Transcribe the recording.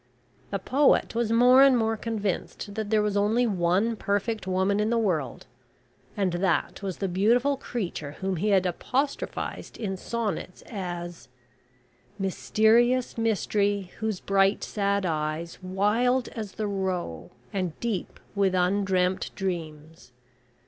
The poet was more and more convinced that there was only one perfect woman in the world, and that was the beautiful creature whom he had apostrophised in sonnets as: "Mysterious Mystery, whose bright sad eyes, Wild as the roe, and deep with undreamt dreams."